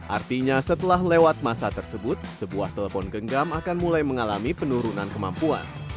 artinya setelah lewat masa tersebut sebuah telepon genggam akan mulai mengalami penurunan kemampuan